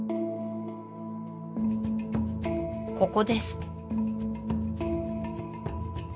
ここです